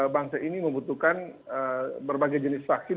bangsa ini membutuhkan berbagai jenis vaksin